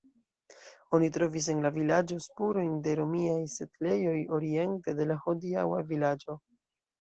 Oni trovis en la vilaĝo spurojn de romiaj setlejoj oriente de la hodiaŭa vilaĝo.